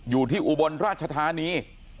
อยู่ที่อุบลราชธานี